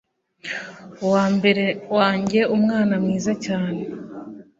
uwambere wanjye umwana mwiza cyane